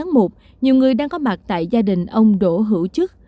trong sáng ngày một mươi chín tháng một nhiều người đang có mặt tại gia đình ông đỗ hữu chức